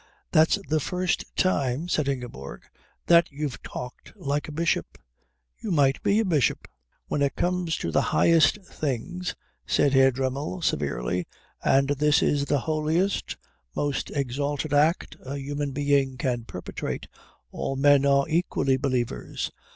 "That's the first time," said Ingeborg, "that you've talked like a bishop. You might be a bishop." "When it comes to the highest things," said Herr Dremmel severely, "and this is the holiest, most exalted act a human being can perpetrate, all men are equally believers."